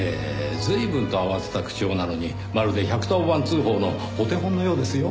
随分と慌てた口調なのにまるで１１０番通報のお手本のようですよ。